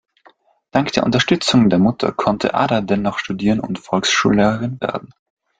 Dank der Unterstützung der Mutter konnte Ada dennoch studieren und Volksschullehrerin werden.